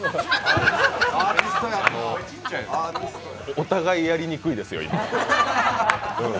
お互いやりにくいですよ、今。